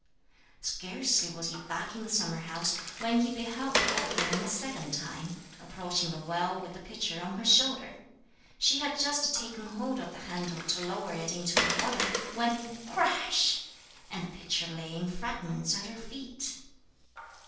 Scarcely was he back in the summer house when he beheld the old woman a second time, approaching the well with the pitcher on her shoulder. She had just taken hold of the handle to lower it into the water, when crash! And the pitcher lay in fragments at her feet.